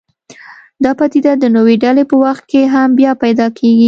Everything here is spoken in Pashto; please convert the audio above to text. دا پدیده د نوې ډلې په وخت کې هم بیا پیدا کېږي.